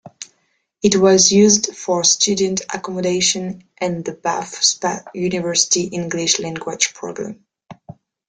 It was used for student accommodation and the Bath Spa University English Language Programme.